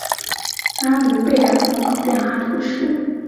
拉卢贝尔人口变化图示